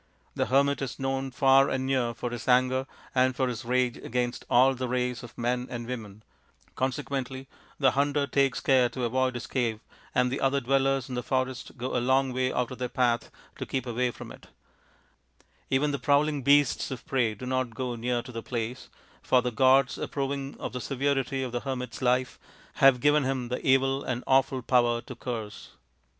The hermit is known far and near for his anger and for his rage against all the race of men and women ; consequently, the : ;hunter takes care to avoid his cave, and the other dwellers in the forest go a long way out of their path to keep away from it : even the prowling beasts of prey do not go near to the place, for the gods, approving of the severity of the hermit's life, have given him the evil and awful POWER TO CURSE.